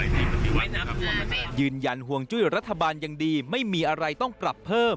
ยืนยันห่วงจุ้ยรัฐบาลยังดีไม่มีอะไรต้องปรับเพิ่ม